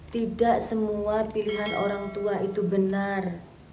tidak semua pilihan orang tua itu benar